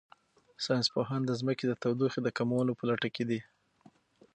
ساینس پوهان د ځمکې د تودوخې د کمولو په لټه کې دي.